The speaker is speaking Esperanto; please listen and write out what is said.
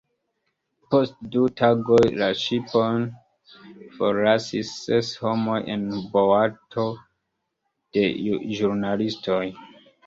Post du tagoj la ŝipon forlasis ses homoj en boato de ĵurnalistoj.